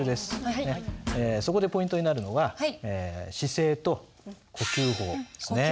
そこでポイントになるのが姿勢と呼吸法ですね。